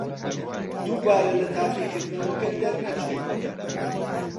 دووبارە لە تاقیکردنەوەکە دەرنەچوو.